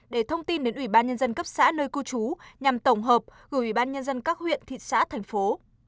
để thông tin đến ubnd cấp xã nơi cư trú nhằm tổng hợp gửi ubnd các huyện thị xã thành phố